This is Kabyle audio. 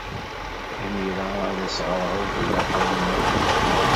Imir-a ad as-ɣreɣ i ubugaṭu-inu.